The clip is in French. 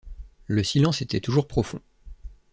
Le silence était toujours profond.